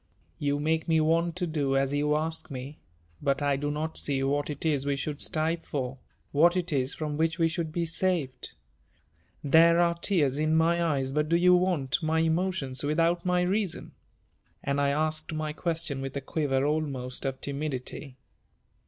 "You make me want to do as you ask me, but I do not see what it is we should strive for, what it is from which we should be saved. There are tears in my eyes but do you want my emotions without my reason?" And I asked my question with a quiver almost of timidity.